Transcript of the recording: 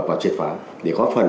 và triệt phán để có phần